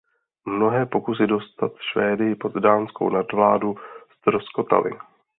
Mnohé pokusy dostat Švédy pod dánskou nadvládu ztroskotaly.